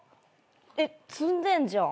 えっ詰んでんじゃん。